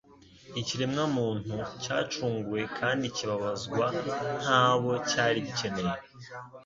Ikiremwamuntu cyacunguwe kandi kibabazwa ntabo cyari kigikeneye